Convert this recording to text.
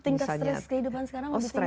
tingkat stres kehidupan sekarang habis ini mbak